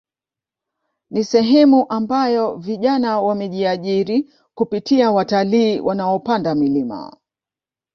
Ni sehemu ambayo vijana wamejiajiri kupitia watalii wanaopanada milima